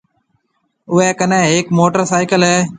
اوئيَ ڪنيَ ھيَََڪ موٽرسائيڪل ھيََََ